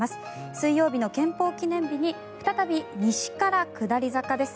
水曜日の憲法記念日に再び西から下り坂です。